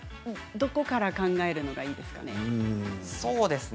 どこから考えるのがいいですかね。